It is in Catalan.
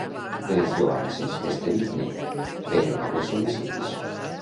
De les lloances fes-te digne, però no les sol·licitis.